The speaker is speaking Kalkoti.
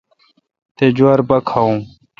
تے°جوار پا کھاوون۔